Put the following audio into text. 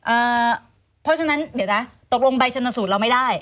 เพราะฉะนั้นเดี๋ยวนะตกลงใบชนสูตรเราไม่ได้